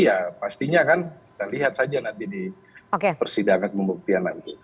ya pastinya kan kita lihat saja nanti di persidangan pembuktian lagi